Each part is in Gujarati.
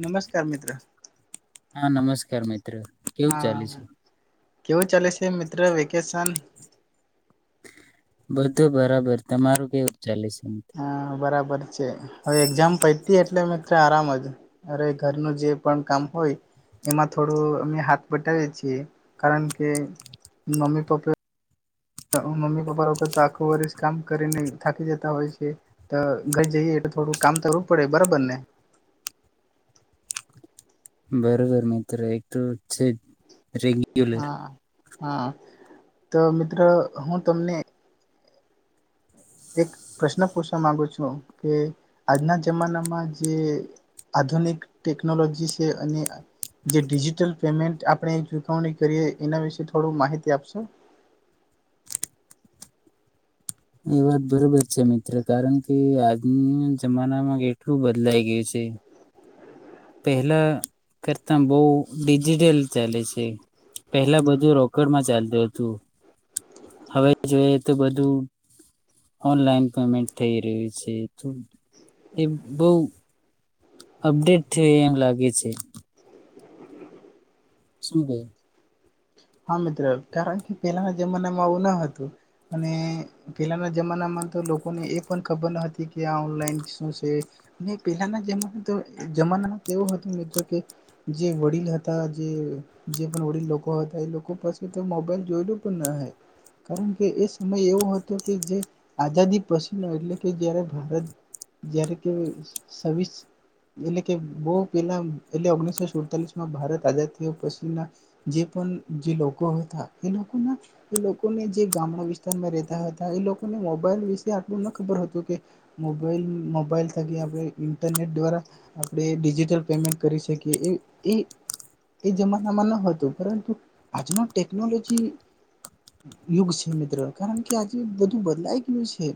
નમસ્કાર મિત્ર. હા નમસ્કાર મી ત્ર કેવું ચાલે છે? હા કેવું ચાલે છે મિત્ર વેકેશન? બધું બરાબર તમારું કેવું ચાલીસે મિત. હા બરાબર છે હવે એક્ઝામ પયતી એટલે અ આરામ જ. અરે ઘરનું જે પણ કામ હોય એમાં થોડું અમે હાથ બટવીએ છીએ. કારણ કે મમ્મી પપ્ મમ્મી પપ્પા વખત આખું વર્ષ કામ કરીને થાકી જતા હોય છે. તો ઘર જઈએ એટલે થોડું કામ કરવું પડે. બરાબર ને? બરોબર મિત્ર. એક તો છે જ રેગ્યુલેર હા હા, તો મિત્રો હું તમને એક પ્રશ્ન પૂછવા માંગુ છું કે આજના જમાનામાં જે આધુનિક ટેકનોલોજી છે અને જે ડિજિટલ પેમેન્ટ આપણે ચુકવણી કરીએ. એના વિશે થોડું માહિતી આપશો? એ વાત બરોબર છે મિત્ર. કારણ કે આજના જમાનામાં કેટલું બદલાઈ ગયું છે. પહેલા કરતા બહુ ડિજિટલ ચાલે છે, પહેલા બધું રોકડમાં ચાલતું હતું હવે જોઈએ તો બધું ઓનલાઈન પેમેન્ટ થઈ રહ્યું છે. તો એ બવ અપડેટ થયો એમ લાગે છે. શુંભો. હા મિત્ર, કારણ કે પહેલાના જમાનામાં આવું ન હતું અને પહેલાના જમાનામાં તો લોકોને એ પણ ખબર ન હતી કે આ ઓનલાઈન શું છે અને પહેલાના જમા તો જમાનામાં એવું હતુ મિત્ર કે જે વડીલ હતા જે પણ વડીલ લોકો એ લોકો પાસે તો મોબાઈલ જોયેલો પણ ન હોય કારણ કે એ સમય એવો હતો કે જે આઝાદી પછીનો એટલે કે જ્યારે ભારત જ્યારે કે સવિસ એટલે કે બવ પેલા એટલે ઓગણીસો સુડતાલીસ માં ભારત આઝાદી થયા પછીના જે પણ જે લોકો હતા એ લોકોના એ લોકોને જે ગામડા વિસ્તારમાં રહેતા હતા. એ લોકોને મોબાઈલ વિશે આટલું ન ખબર હતું કે મોબાઈલ મોબાઈલ થકી આપણે ઇન્ટરનેટ દ્વારા આપણે ડિજિટલ પેમેન્ટ કરી શકીએ. એ એ એ જમાનામાં ન હતું પરંતુ આજનો ટેકનોલોજી યુગ છે મિત્રો. કારણ કે આજે બધું બદલાઈ ગયું છે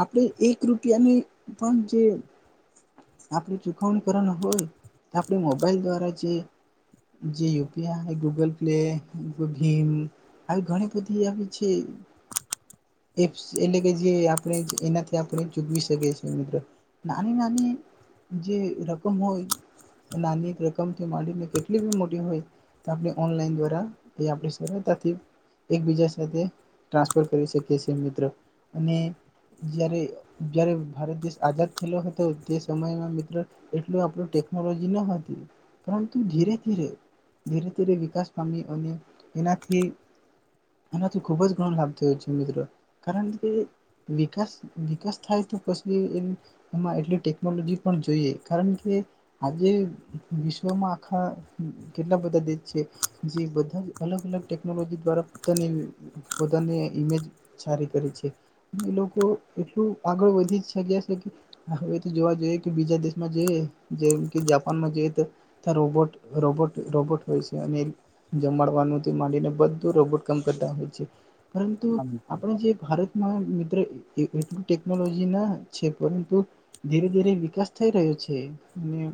આપણે એક રૂપિયાની પણ જે આપણે ચુકવણી કરવાનું હોય આપણે મોબાઈલ દ્વારા જે જે યુપીઆઈ, ગૂગલ એલે ભીમ આવી ઘણી બધી આવી છે એપ્સ એટલે કે જે આપણે એનાથી આપણે ચૂકવી શકીએ છીએ મિત્રો. નાની નાની જે રકમ હોય નાની રકમથી માંડીને કેટલી બી મોટી હોય તો આપણે ઓનલાઈન દ્વારા એ આપણે સરળતાથી એકબીજા સાથે ટ્રાન્સફર કરી શકીએ છીએ મિત્રો અને જ્યારે જ્યારે ભારત દેશ આઝાદ થયેલો હતો તે સમયમાં મિત્રો એટલું આપણું ટેકનોલોજી ન હતી પરંતુ ધીરે ધીરે ધરે અત્યારે વિકાસ પામી અને એનાથી એનાથી ખૂબ જ ઘણો લાભ થયો છે મિત્રો. કારણ કે વિકાસ વિકાસ થાય તો પછી એમાં એટલી ટેકનોલોજી પણ જોઈએ કારણ કે આજે વિશ્વમાં આખા કેટલા બધા દે શ છે જે બધા અલગ અલગ ટેકનોલોજી દ્વારા પોતાની પોતાની ઈમેજ સારી કરે છે. એ લોકો એટલું આગળ વધી શક્યા છે કે હવે જોવા જઈએ કે બીજા દેશમાં જઈ જેમ કે જાપાનમાં જ રોબોટ રોબોટ રોબોટ હોય છે અને જમાડવાનું માંડીને બધું રોબોટ કામ કરતા હોય છે. પરંતુ આપણે જે ભારત એમાં મિત્ર એટલું ટેકનોલોજી ના છે પરંતુ ધીરે ધીરે વિકાસ થઈ રહ્યો છે અને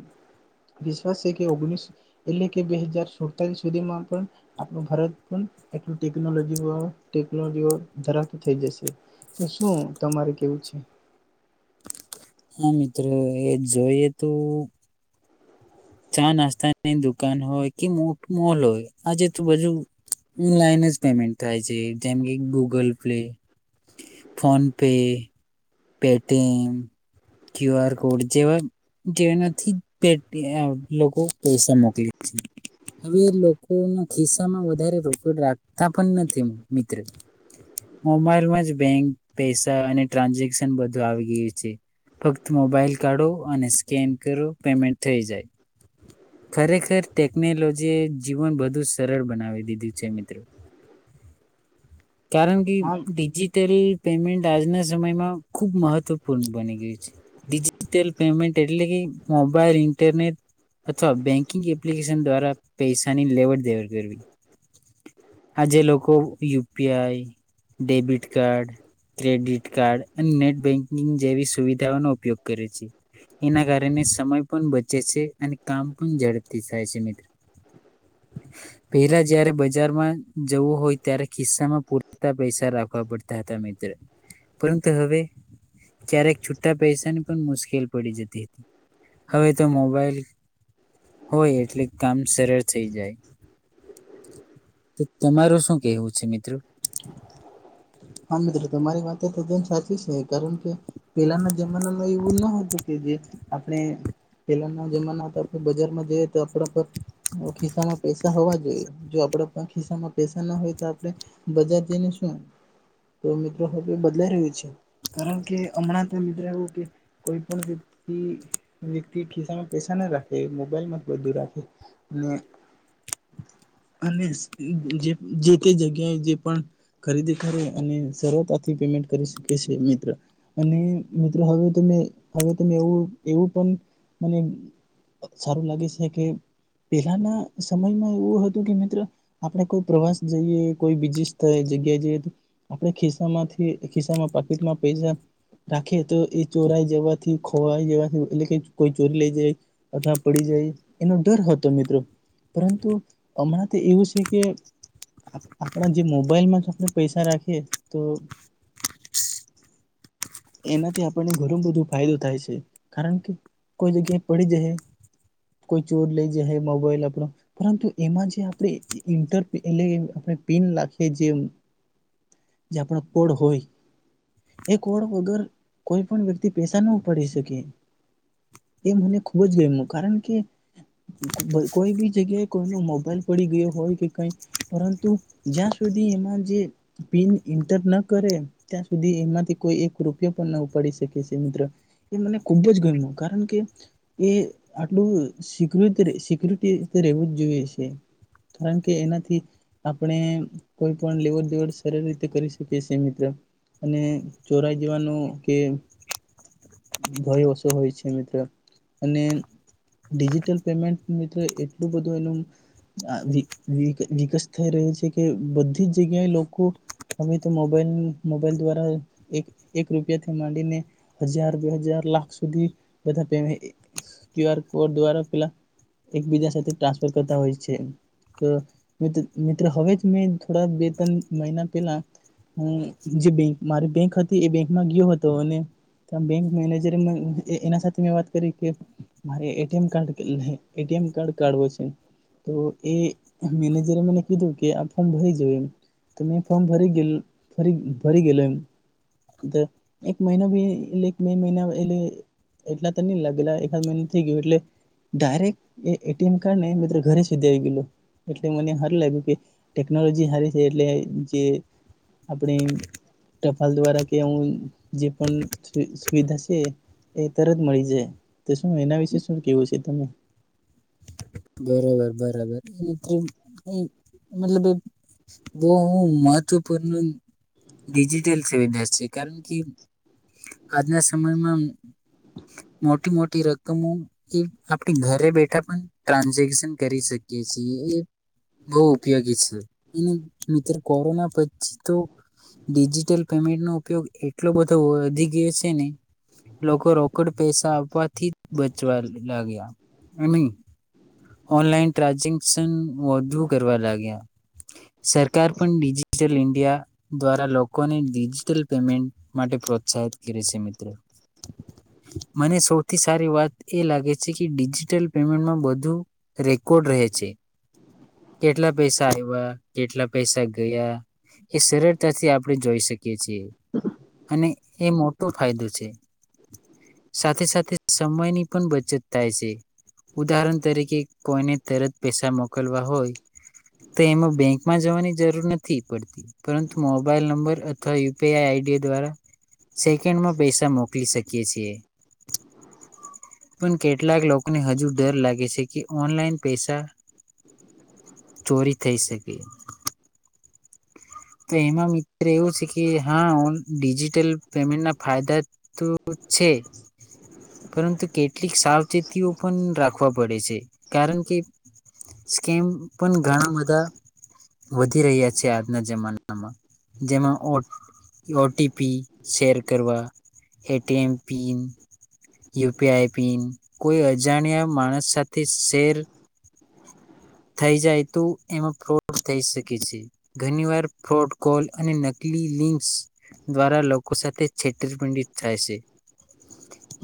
વિશ્વાસ છે કે ઓગણીસ એટલે કે બે હજાર સુડતાલી સુધીમાં પણ આપણું ભારત પણ એટલું ટેકનોલોજી ટેકનોલોજી ધરાવતા થઈ જશે. તો શું તમારે કેવું છે? હા મિત્રો એ જોઈએ તો ચા નાસ્તાની દુકાન હોય કે મોટું મોલ હોય આજે તો બજુ ઓનલાઈન જ પેમેન્ટ થાય છે. જેમ કે Google pay, PhonePe Paytm, Q R code જેવા જેનાથી પે લોકો પૈસા મોકલી છે. હવે લોકોના ખિસ્સામાં વધારે રોકડ રાખતા પણ નથી મિત્ર. મોબાઈલમાં જ બેંક પૈસા અને ટ્રાન્સેક્ બધું આવી ગયું છે. ફક્ત મોબાઈલ કાઢો અને સ્કેન કરો પેમેન્ટ થઈ જાય. ખરેખર ટેકનોલોજી એ જીવન બધુ સરળ બનાવી દીધું છે મિત્રો. કારણ કે હા ડિજિટલ પેમેન્ટ આજના સમયમાં ખૂબ મહત્વપૂર્ણ બની ગયું છે. ડિજિટલ પેમેન્ટ એટલે કે મોબાઈલ, ઇન્ટરનેટ અથવા બેંકિંગ એપ્લિકેશન દ્વારા પૈસાની લેવડ દેવડ કરવી આજે લોકો UPI, debit card, credit card અને નેટ બેન્કિંગ જેવી સુવિધાઓનો ઉપયોગ કરે છે. એના કારણે સમય પણ બચે છે અને કામ પણ ઝડપથી થાય છે મિત્ર. પહેલા જયારે બજારમાં જવું હોય ત્યારે ખિસ્સામાં પૂરતા પૈસા રાખવા પડતા હતા મિત્ર પર તો હવે ક્યારેક છુટા પૈસાની પણ મુશ્કેલ પડી જતી હતી. હવે તો મોબાઈલ હોય એટલે કામ સરળ થઈ જાય. તો તમારું શું કેહેવું છે મિત્રો? હા મિત્રો, તમારી વાતે ખૂબ જ સાચી શે. કારણ કે પેલાના જમાનામાં એવું ના હતું કે જે આપણે પેલાના જમાના તો આપણે બજારમાં જઈએ તો આપણા પર ખિસ્સામાં પૈસા હોવા જોઈએ. જો આપડા ખિસ્સામાં પૈસા ના હોય તો આપણે બજાર જઈને શું? તો મિત્ર હવે બદલાઈ રહ્યું છે કારણ કે હમણાં તો મિત્ર એવું કે કોઈ પણ વ્યક્તિ વ્યક્તિ ખિસ્સામાં પૈસા ના રાખે મોબાઈલમાં જ બધું રાખે અને જે તે જગ્યાએ જે પણ ખરીદી કરે અને સરળતાથી પેમેન્ટ કરી શકે છે મિત્ર અને મિત્ર હવે તમે હવે તમે એવું એવું પણ મને સારું લાગે છે કે પેલાના સમયમાં એવું હતું કે મિત્ર આપણે કોઈ પ્રવાસ જઈએ કોઈ બીજી સ્થ જગ્યા જઈએ આપણે ખિસ્સામાંથી ખિસ્સામાં પાકીટમાં પૈસા રાખીએ. તો એ ચોરાઈ જવાથી ખોવાઈ જવાથી એટલે કે કોઈ ચોરી લઈ જાય અથવા પડી જાય એનો ડર હતો મિત્રો. પરંતુ હમણાં તો એવું છે કે આપણા જે મોબાઈલમાં જ આપણે પૈસા રા એ તો એનાથી આપણને ઘણું બધું ફાયદો થાય છે કારણ કે કોઈ જગ્યાએ પડી જ કોઈ ચોર લઈ જ મોબાઈલ આપણો પરંતુ એમાં જે આપણે ઇન્ટર એટલે આપણે પિન લખીએ જે આપણો કોડ હોય એ કોડ વગર કોઈ પણ વ્યક્તિ પેસા ન ઉપાડી શકે એ મને ખુબ જ ગમ્યું કારણ કે કોઈ બી જગ્યાએ કોઈનો મોબાઈલ પડી ગયો હોય કે કઈ પરંતુ જ્યાં સુધી એમાં જે પીન એન્ટર ન કરે ત્યાં સુધી એમાંથી કોઈ એક રૂ ના ઉપાડી [unintelligible] મિત્ર એ મને ખુબ જ ગમ્યું કારણ કે એ આટલું [unintelligible] સિકુરિટી રવું જ જોઈએ છે, કારણ કે એનાથી આપણે કોઈ પણ લેવડ દેવડ સર રીતે કરી શકીએ છે, મિત્ર અને ચોરા [unintelligible] ભય ઓછો હોય છે, મિત્ર અને ડિજિટલ પેમેન્ટ મિત્ર એટલું બધું એનું [unintelligible] થઈ રહ્યો છે કે બધી જ જગ્યાએ લોકો હવે તો મોબાઈલ મોબાઈલ દ્વારા એક એકથીમાંને હજાર બે હજાર લાખ સુધી [unintelligible] આર કોડ દ્વારા પલા એકબીજા સાથે ટ્રાન્સફર કરતા હોય છે, મિત્ર હવે મેં થોડા બે ત્રણ મહિના પેલા મારી બેંક [unintelligible] ગયો હતો અને મે મે વાત [unintelligible] છે, તો [inaudible] કીધું કે આ ફોર્મ ભરી જયું એમ ત મે ફોર્મ ભરી ગરી ભરી ગયેલો એમ. એકિટ બે મહિના એટ એટલા તો નઈ [unintelligible] મહિના થઈ ગયયો એટલે ડાયક્ટ એ [unintelligible] ને મિત્ર ઘરે સુધી આવી ગયું એટલે મને હારું લાગ્યું કે ટેકનોલોજી સારી છે, એટલે જે [unintelligible] દ્વારા કે હું જે પણ સુવિધા છે, એ તરત મળી જાય તો શું એના વિશે શું કેવું છે, તમે બરોબર બરાબર એ મતલબ બહ મહત્વપૂર્ણ ડિજિટલ સુવિધા છે, કારણ કે આજના સમયમાં મોટી મોટી રકમો એ આપણી ઘરે બેઠા પણ ટ્રાન્ઝેક્શન કરી શકીએ છીએ એ બહ ઉપયોગી છે, અને મિત્ર કોરોના પછી તો ડિજિટલ પેમેન્ટ નો ઉપયોગ એટલો બધો વધી ગયો છે, ને લોકો રોકડ પૈસા આપવાથી બચવા લાગ્યા નહી. ઓનલાન ટ્રાન્ઝેક્શન વધુ કરવા લાગ્યા સરકાર પણ ડિજિટલ ઇન્ડિયા દ્વારા લોકોને ડિજિટલ પેમેન્ટ માટે પ્રોત્સાહિત કરે છે, [unintelligible] મને સૌથી સારી વાત એ લાગે છે, કે ડિજટલ પેમેન્ટમાં [unintelligible] રેકોર્ડ રહે છે, કેટલા પૈસા આવ્યા કેટલા પૈસા ગયા એ સરળતાથી આપણે જોઈ શકીએ. [unintelligible] અને. એ મોટો ફાયદો છે, સાથે સાથે સમયની પણ બચત થાય છે, ઉદાહરણ તરીકે કોઈને તરત પૈસા મોકલવા હોય તો એમાં બેંકમાં જવાની જરૂર નથી પડતી પરંતુ મોબાઈલ નંબર અથવા યુપીઆઈ આઈડી દ્વારા સેકન્ડમાં પૈસા મોકલી શકી [unintelligible] પણ કેટલાક લોકોને હજુ ડર લાગે છે. જે કે ઓનલાઈન પૈસા ચોરી થઈ શકે. તો એમાં મિત્ર એવું છે, કે હા ડિજિટલ પેમેન્ટ ના ફાયદા તો [unintelligible] પરંતુ કેટલીક સાવચેતીઓ પણ રાખવા પડે છે, કારણ કે સ્કેમ પણ ઘણા બધા વધી રહ્યા છે, આજના જમાના. જેમાં ઓટીપી શેર કરવા એટીએમ પિન યુપીઆઈ પિન કોઈ અજાણ્યા માણસ સાથે. [unintelligible] થઈ જાય તો એમાં પ્રો થઈ શકે છે, ઘણી વાર. ફ્રોડ કોલ અને નકલી લિંકસ દ્વારા લોકો સાથે છેતરપિંડિત થાય છે,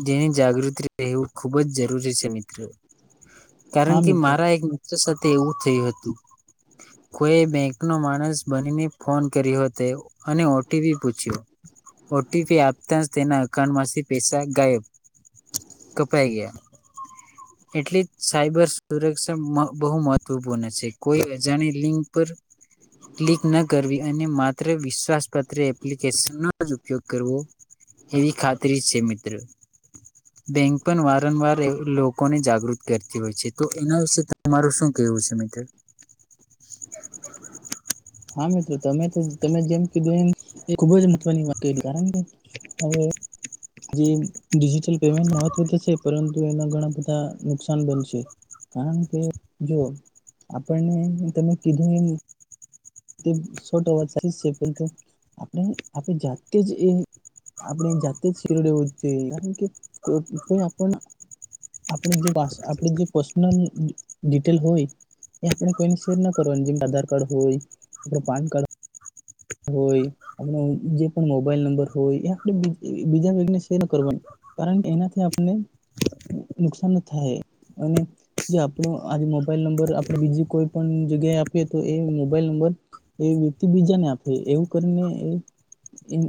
જેની જાગૃતિ રહેવું ખૂબ જ જરૂરી છે, મિત્રો. કારણ હા કે મિત્રો મારા એક મિત્ર સાથે. તેવું થયું હતું કોઈ બેંક [unintelligible] માણસ. બનીને ફોન કર્યો હતો અને ઓટીપી પૂછ્યું ઓટીપી આપતા જ તેના [unintelligible] પૈસા ગાયબ કપાઈ ગયા એટલે જ સાયબર સુરક્ષા બહુ મહત્વપૂર્ણ છે કોઈ અજાણી લિંક પર. ક્લિક ન કરવી અને માત્ર વિશ્વાસપત્ર એપ્લિકેશનનો ઉપયોગ કરવો એવી ખાતરી છે, મિત્ર બેંક પણ વારંવાર લોકોને જાગૃત કરતી હોય છે, તો એના વિશે તમારું શું કેવું છે, [unintelligible] હા મિત્રો તમે તો તમે જેમ કીધું એમ એ ખૂબ જ મહત્વની વાત ક કારણ કે હવે. જે ડિજિટલ પેમેન્ટ મહત્વ તો છે, પરંતુ એના ઘણા બધા નુકસાન બનશે કારણ કે જો આપણને તમે કીધું. આપણે આપણે જાતે જ એ આપણે જાતે જ [unintelligible] જોઈએ કારણ કે આપ આપ જે [unintelligible] હોય એ આપણે કોઈને શેર ના કરવાનું જે આધાર કાર્ડ હોય. આપડ પાન [unintelligible] હોય આપ જે પણ મોબાઈલ નંબર હોય એ આપણે બીજાને શેર કરવાનું કારણ એનાથી આપને નુકસાન થાય અને જે આપણો આજે મોબાઈલ નંબર આપણે બીજ કોઈ પણ જગ્યાએ આપીએ તો એ મોબાઈલ નંબર એ વ્યક્તિ બીજાને આપે. એવું કરી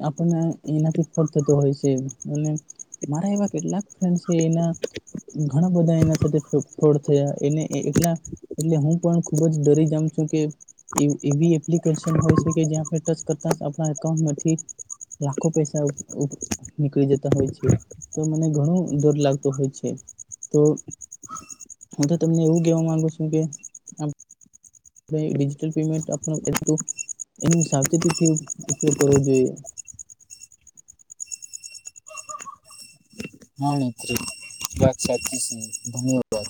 આપને એનાથી [unintelligible] થતો હોય છે, અને મારા એવા કેટલાક [unintelligible] છે, એના ઘણા બધા એના ફ થયા એલા એટલે હું પણ ખુબ જ ડરી [unintelligible] છું કે એપ્લિકેશન હોય છે, કે જ્યાં. ટચ કરતા આપણા એકાઉન્ટમાંથી લાખો પૈસા નીકળી જતા હોય છે તો મને ઘણો ડર લાગતો હોય છે, તો હું તો તમને એવું કેવા માંગુ છું કે. ડિજિટલ પેમેન્ટ આપનો ફેસબુક એમ સાવચેતીથી ઉપયોગ કરવો જોઈએ. હા મિતો [unintelligible] ધન્યવાદ.